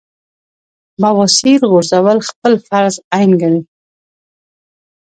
بواسير غورزول خپل فرض عېن ګڼي -